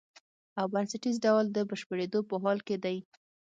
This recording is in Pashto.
او بنسټیز ډول د بشپړېدو په حال کې دی.